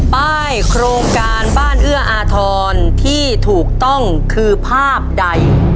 ป้ายโครงการบ้านเอื้ออาทรที่ถูกต้องคือภาพใด